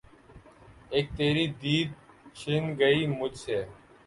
اِک تیری دید چِھن گئی مجھ سے